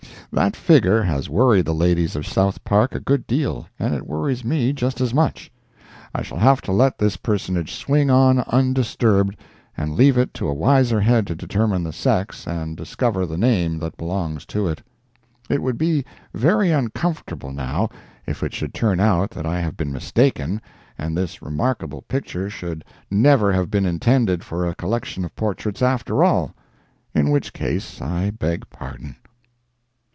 That figure has worried the ladies of South Park a good deal, and it worries me just as much. I shall have to let this personage swing on undisturbed, and leave it to a wiser head to determine the sex and discover the name that belongs to it. It would be very uncomfortable, now, if it should turn out that I have been mistaken, and this remarkable picture should never have been intended for a collection of portraits, after all—in which case I beg pardon.